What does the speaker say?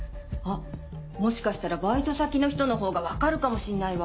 もしかしたらバイト先の人のほうがわかるかもしんないわ。